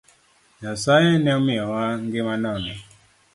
Nyasaye ne omiyowa ngima nono